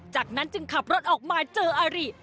จากนั้นจึงขับรถออกมาเจออาริ